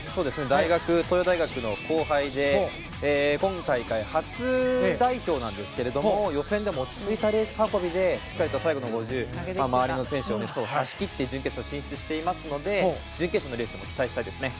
大学、東洋大学の後輩で今大会初代表なんですけど予選でも落ち着いたレース運びでしっかりと最後の５０で周りの選手を振り切ってベストを出しきって準決勝進出していますので準決勝のレースに期待したいですね。